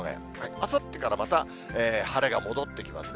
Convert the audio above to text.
あさってからまた晴れが戻ってきますね。